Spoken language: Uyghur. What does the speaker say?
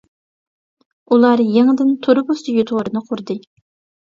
ئۇلار يېڭىدىن تۇرۇبا سۈيى تورىنى قۇردى.